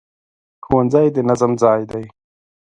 ښوونځی د نظم ځای دی